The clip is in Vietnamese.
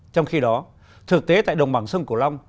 trong khi đó thực tế tại đồng bằng sân cổ long